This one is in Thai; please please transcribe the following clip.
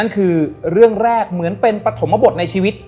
คือเรื่องแรกเหมือนเป็นปฐมบทในชีวิต